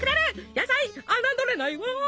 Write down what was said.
野菜侮れないわ！